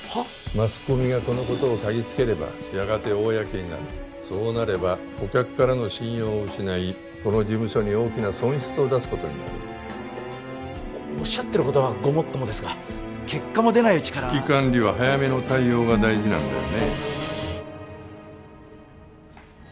マスコミがこのことを嗅ぎつければやがて公になるそうなれば顧客からの信用を失いこの事務所に大きな損失を出すことになるおっしゃってることはごもっともですが結果も出ないうちから危機管理は早めの対応が大事なんだよねえ？